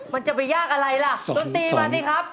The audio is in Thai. มันจะไปยากอะไรล่ะดนตรีมันนี่ครับ